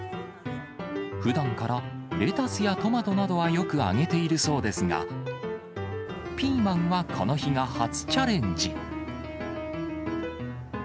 ふだんからレタスやトマトなどはよくあげているそうですが、ピーマンはこの日が初チャレンジ。